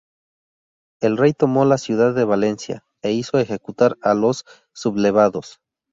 El rey tomó la ciudad de Valencia e hizo ejecutar a los sublevados.